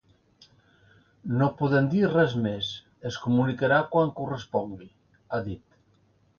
“No podem dir res més, es comunicarà quan correspongui”, ha dit.